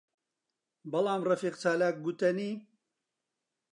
بەڵام ڕەفیق چالاک گوتەنی: